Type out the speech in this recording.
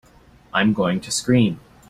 I'm going to scream!